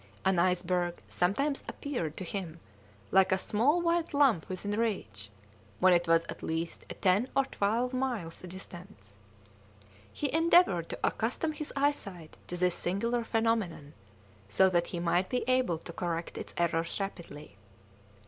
An iceberg sometimes appeared to him like a small white lump within reach, when it was at least at ten or twelve miles' distance. He endeavoured to accustom his eyesight to this singular phenomenon, so that he might be able to correct its errors rapidly.